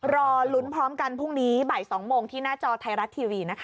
รอลุ้นพร้อมกันพรุ่งนี้บ่าย๒โมงที่หน้าจอไทยรัฐทีวีนะคะ